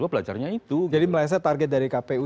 belajarnya itu jadi meleset target dari kpu